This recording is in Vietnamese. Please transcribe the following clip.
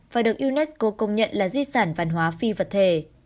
và được unesco công nhận là di sản văn hóa phi vật thể